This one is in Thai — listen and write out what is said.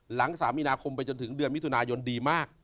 ๓มีนาคมไปจนถึงเดือนมิถุนายนดีมาก